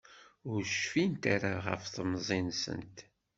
Ur cfint ara ɣef temẓi-nsent.